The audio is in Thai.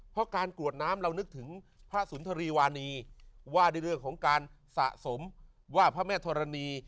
เพราะการกรวดน้ำเรานึกถึงพระสุนทรีวานีว่าด้วยเรื่องของการสะสมว่าพระแม่ธรณี